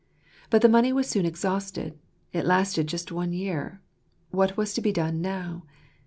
But the money was soon exhausted: it lasted just one year. What was to be done now